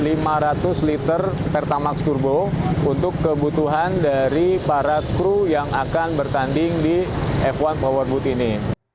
ada lima ratus liter pertamax turbo untuk kebutuhan dari para kru yang akan bertanding di f satu powerboat ini